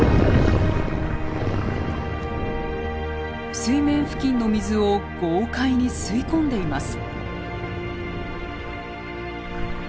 水面付近の水を豪快に吸い込んでいます。